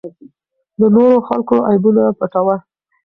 د نورو خلکو عیبونه پټوه.